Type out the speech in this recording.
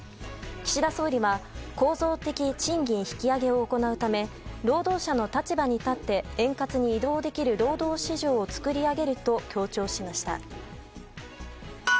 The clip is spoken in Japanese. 岸田総理は構造的賃金引き上げを行うため労働者の立場に立って円滑に移動できる労働市場を作り上げると強調しました。